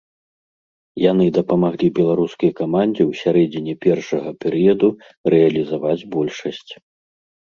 Яны дапамаглі беларускай камандзе ў сярэдзіне першага перыяду рэалізаваць большасць.